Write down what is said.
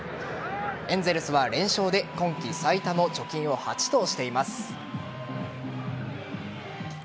エンゼルスは連勝で今季最多の貯金を８としています。